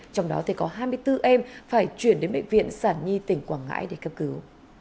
trong đó có hai mươi bốn em phải chuyển đến bệnh viện sản nhi tỉnh quảng ngãi để cấp cứu